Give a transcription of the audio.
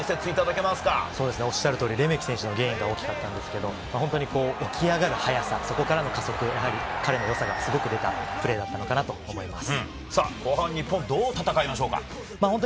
レメキ選手のゲインが大きかったんですけど、起き上がる速さ、そこからの加速、彼の良さがすごく出たプレーだったのかなと思います。